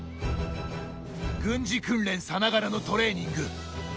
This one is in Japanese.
軍事訓練さながらのトレーニング。